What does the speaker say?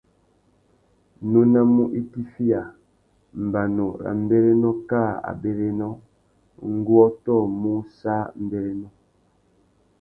Nônamú itifiya, mbanu râ mbérénô kā abérénô, ngu ôtōmú sā mbérénô.